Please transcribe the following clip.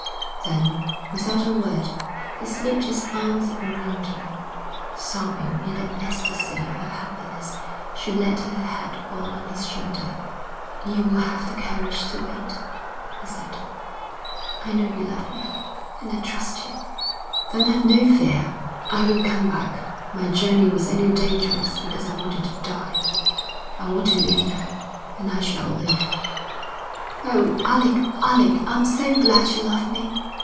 Then without a word he slipped his arms around her. Sobbing in the ecstasy of her happiness, she let her head fall on his shoulder. 'You will have the courage to wait?' he said. 'I know you love me, and I trust you.' 'Then have no fear; I will come back. My journey was only dangerous because I wanted to die. I want to live now, and I shall live.' 'Oh, Alec, Alec, I'm so glad you love me.'